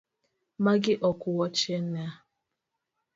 Magi ok wuochena .